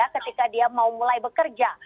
ketika dia mau mulai bekerja